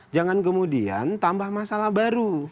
jangan kemudian tambah masalah baru